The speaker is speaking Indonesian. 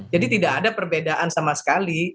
jadi tidak ada perbedaan sama sekali